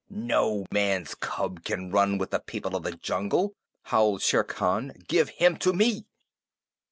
"No man's cub can run with the people of the jungle," howled Shere Khan. "Give him to me!"